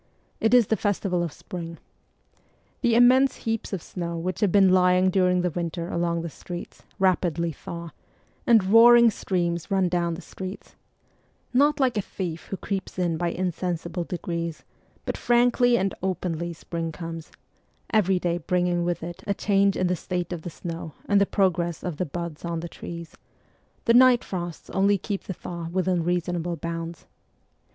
It is the festival of spring. The immense heaps of snow which have been lying during the winter along the streets rapidly thaw, and roaring streams run down the streets ; not like a thief who creeps in by insensible degrees, but frankly and openly spring comes every day bringing with it a change in the state of the snow and the progress of the buds on the trees ; the night frosts only keep the CHILDHOOD 89 thaw within reasonable bounds.